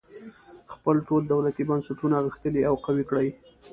خپل ټول دولتي بنسټونه غښتلي او قوي کړي.